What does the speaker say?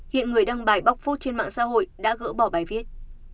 hiện người đăng bài bóc phốot trên mạng xã hội đã gỡ bỏ bài viết